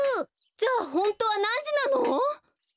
じゃあホントはなんじなの？